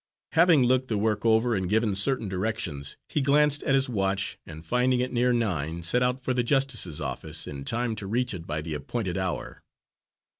Having looked the work over and given certain directions, he glanced at his watch, and finding it near nine, set out for the justice's office in time to reach it by the appointed hour.